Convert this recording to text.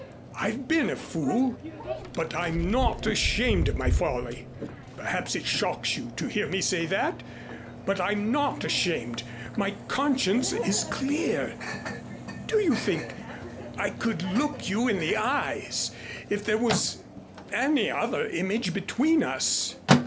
I've been a fool but I'm not ashamed of my folly. Perhaps it shocks you to hear me say that. But I'm not ashamed my conscience is clear. Do you think I could look you in the eyes if there was any other image between us?